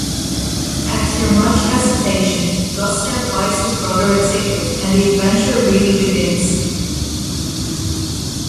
After much hesitation, Gustav buys his brother a ticket and the adventure really begins.